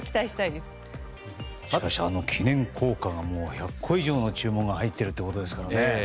しかし、記念硬貨が１００個以上の注文が入っているということですからね。